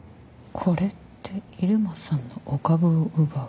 これって入間さんのお株を奪う。